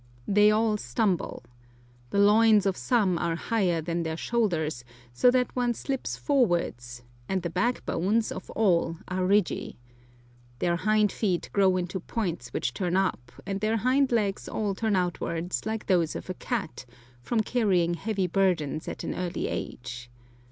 They all stumble. The loins of some are higher than their shoulders, so that one slips forwards, and the back bones of all are ridgy. Their hind feet grow into points which turn up, and their hind legs all turn outwards, like those of a cat, from carrying heavy burdens at an early age.